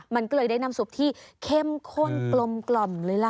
มันก็เลยได้น้ำซุปที่เข้มข้นกลมเลยล่ะ